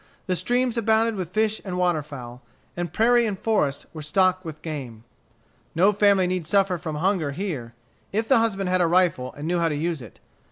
The streams abounded with fish and waterfowl; and prairie and forest were stocked with game. No family need suffer from hunger here, if the husband had a rifle and knew how to use it.